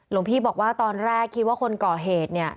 หลวงพี่บอกว่าตอนแรกคิดว่าคนก่อเหตุเนี่ย